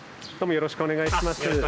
よろしくお願いします。